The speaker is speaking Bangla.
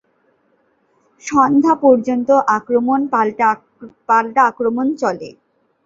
সন্ধ্যা পর্যন্ত আক্রমণ-পাল্টা আক্রমণ চলে।